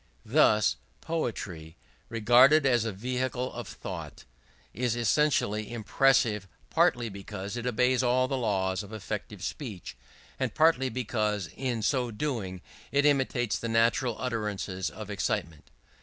Thus poetry, regarded as a vehicle of thought, is especially impressive partly because it obeys all the laws of effective speech, and partly because in so doing it imitates the natural utterances of excitement.